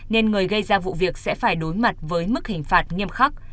nên người gây ra vụ việc sẽ phải đối mặt với mức hình phạt nghiêm khắc